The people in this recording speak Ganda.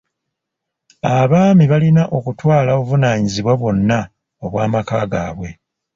Abaami balina okutwala obuvunaanyibwa bwonna obw'amaka gaabwe.